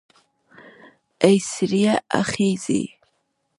اې سړیه, آ ښځې